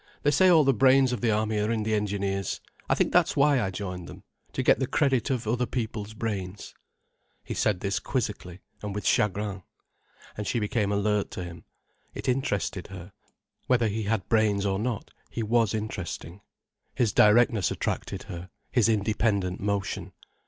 "They say all the brains of the army are in the Engineers. I think that's why I joined them—to get the credit of other people's brains." He said this quizzically and with chagrin. And she became alert to him. It interested her. Whether he had brains or not, he was interesting. His directness attracted her, his independent motion.